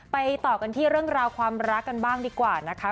ต่อกันที่เรื่องราวความรักกันบ้างดีกว่านะคะ